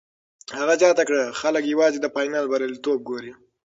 هغې زیاته کړه، خلک یوازې د فاینل بریالیتوب ګوري.